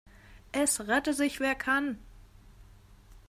Es rette sich, wer kann.